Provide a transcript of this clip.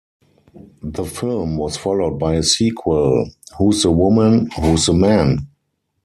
The film was followed by a sequel, Who's the Woman, Who's the Man?